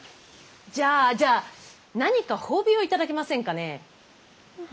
じゃあじゃあ何か褒美を頂けませんかねぇ。